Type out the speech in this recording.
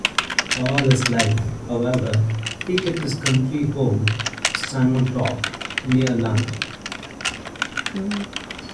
All his life, however, he kept his country home Simontorp, near Lund.